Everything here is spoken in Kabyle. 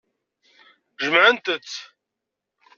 Jemɛent-tt.